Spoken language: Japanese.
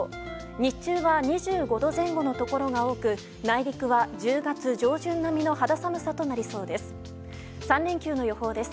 日中は２５度前後のところが多く内陸は１０月上旬並みの肌寒さとなりそうです。